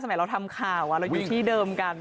เราทำข่าวเราอยู่ที่เดิมกัน